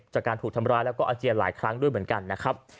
จากการถูกทำร้ายแล้วก็อาเจียนหลายครั้งด้วยเหมือนกันนะครับ